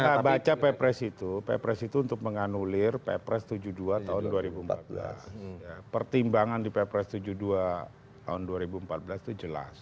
kita baca pepres itu pepres itu untuk menganulir pepres tujuh puluh dua tahun dua ribu empat belas pertimbangan di ppres tujuh puluh dua tahun dua ribu empat belas itu jelas